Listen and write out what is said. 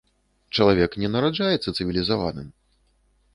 Чалавек не нараджаецца цывілізаваным.